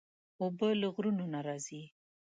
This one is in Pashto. اوبه له غرونو نه راځي.